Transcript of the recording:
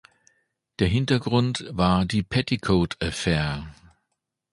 Der Hintergrund war die Petticoat Affair.